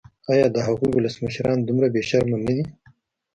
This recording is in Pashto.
ایا د هغوی ولسمشران دومره بې شرمه نه دي.